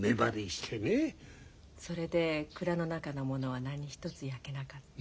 それで蔵の中のものは何一つ焼けなかった。